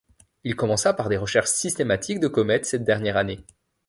Il commença par des recherches systématiques de comètes cette dernière année.